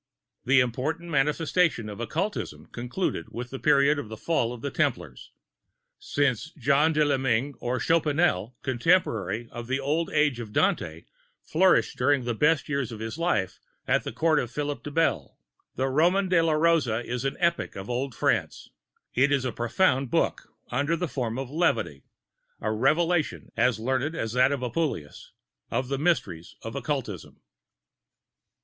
The important manifestations of Occultism coincide with the period of the fall of the Templars; since Jean de Meung or Chopinel, contemporary of the old age of Dante, flourished during the best years of his life at the Court of Philippe le Bel. The Roman de la Rose is the Epic of old France. It is a profound book, under the form of levity, a revelation as learned as that of Apuleius, of the Mysteries of Occultism.